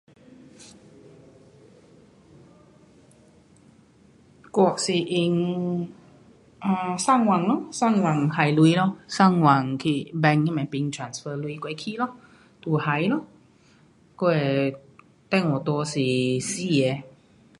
我是用，呃，上网咯，上网还钱咯，上网去 bank 那呐边 transfer 钱过去咯。就还咯。我的电话内是四个。